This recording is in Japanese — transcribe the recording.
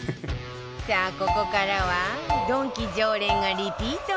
さあここからはドンキ常連がリピート買い